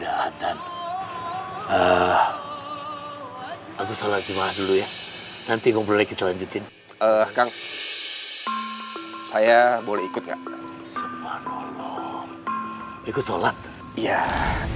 enggak muncul ongkir lagi jesus prix